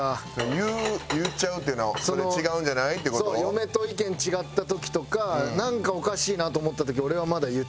嫁と意見違った時とかなんかおかしいなと思った時俺はまだ言っちゃいますね。